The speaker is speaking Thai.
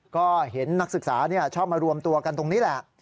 ก็เห็นนักศึกษาชอบมารวมตัวกันตรงนี้แหละ